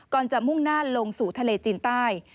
ก่อนจะมุ่งหน้าลงสู่ทะเลจีนใต้